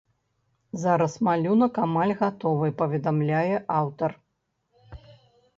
Зараз малюнак амаль гатовы, паведамляе аўтар.